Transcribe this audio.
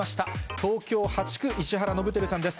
東京８区、石原伸晃さんです。